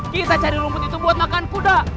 kita cari rumput itu buat makan kuda